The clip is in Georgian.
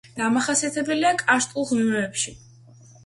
დამახასიათებელია კარსტული მღვიმეები.